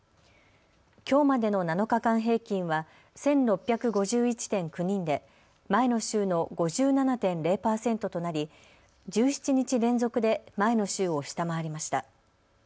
きょうまでの７日間平均は１６５１．９人で前の週の５７．０％となり１７日連続で前の週を下回りました。